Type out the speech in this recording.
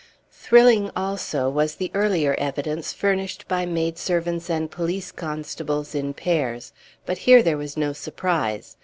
Thrilling also was the earlier evidence, furnished by maid servants and police constables in pairs; but here there was no surprise.